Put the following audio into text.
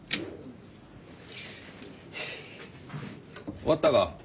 終わったか？